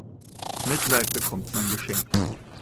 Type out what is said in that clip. Mitleid bekommt man geschenkt.